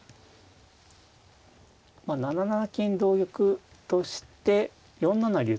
７七金同玉として４七竜と。